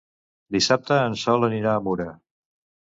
Dissabte en Sol anirà a Mura.